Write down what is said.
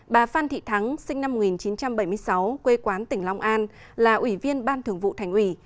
bà phan thị thắng sinh năm một nghìn chín trăm bảy mươi sáu quê quán tỉnh long an là ủy viên ban thường vụ thành ủy